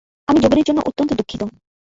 আমি যোগেনের জন্য অত্যন্ত দুঃখিত।